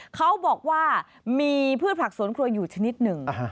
เขาบอกว่ามีพืชผักสวนครัวอยู่ชนิดหนึ่ง